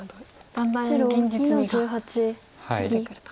だんだん現実味が出てくると。